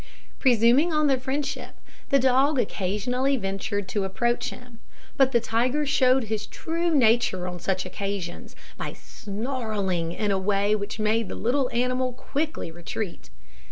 Presuming on their friendship, the dog occasionally ventured to approach him; but the tiger showed his true nature on such occasions, by snarling in a way which made the little animal quickly retreat.